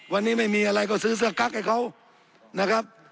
วันนี้ไม่มีอะไรก็ซื้อเสื้อกั๊กให้เขานะครับ